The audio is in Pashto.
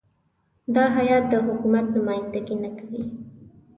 دا هیات د حکومت نمایندګي نه کوي.